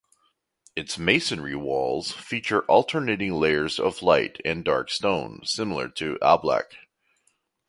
Its masonry walls feature alternating layers of light and dark stone (similar to "ablaq").